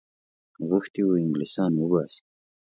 غوښتي وه انګلیسیان وباسي.